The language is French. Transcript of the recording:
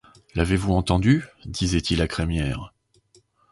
L’avez-vous entendu? disait-il à Crémière.